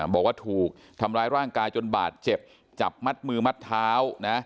บอกว่าถูกทำร้ายร่างกายจนบาดเจ็บจับมัดมือมัดเท้านะ